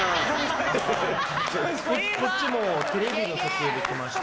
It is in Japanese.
こっちもテレビの撮影で来ました